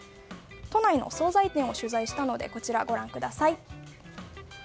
都内のお総菜店を取材したのでこちら、ご覧ください。